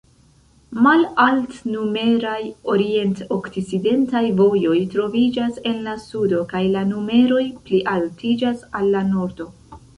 Malalt-numeraj orient-okcidentaj vojoj troviĝas en la sudo, kaj la numeroj plialtiĝas al la nordo.